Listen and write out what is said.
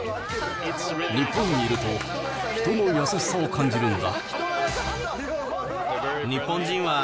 日本にいると、人の優しさを感じるんだ。